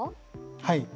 はい。